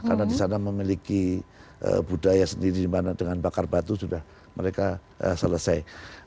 karena di sana memiliki budaya sendiri dimana dengan bakar batu sudah mereka selesai